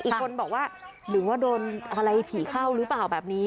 อีกคนบอกว่าหรือว่าโดนอะไรผีเข้าหรือเปล่าแบบนี้